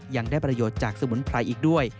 ยังได้ประโยชน์จากสมุนไพรอีกด้วย